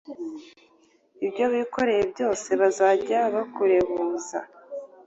Ibyo wikoreye byose bazajya bakurebuza.